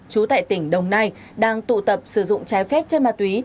trú tại tỉnh đồng nai đang tụ tập sử dụng trái phép chân ma túy